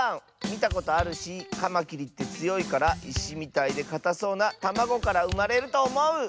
みたことあるしカマキリってつよいからいしみたいでかたそうなたまごからうまれるとおもう！